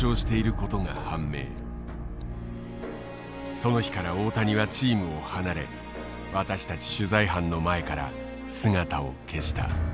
その日から大谷はチームを離れ私たち取材班の前から姿を消した。